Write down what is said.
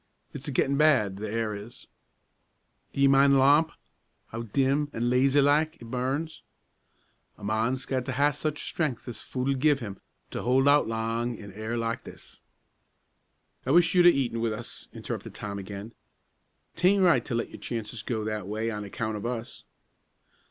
It's a gettin' bad, the air is. D'ye min' the lomp, how dim an' lazy like it burns? A mon's got to ha' such strength as food'll give him to hold out lang in air like this." "I wish you'd 'a' eaten with us," interrupted Tom again. "'Tain't right to let your chances go that way on account of us."